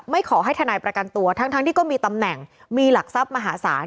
ขอให้ทนายประกันตัวทั้งที่ก็มีตำแหน่งมีหลักทรัพย์มหาศาล